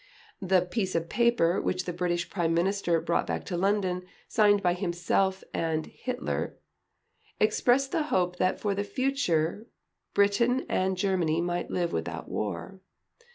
The "piece of paper" which the British Prime Minister brought back to London, signed by himself and Hitler, expressed the hope that for the future Britain and Germany might live without war.